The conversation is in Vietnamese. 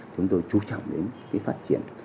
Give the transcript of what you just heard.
chúng tôi chú trọng đến phát triển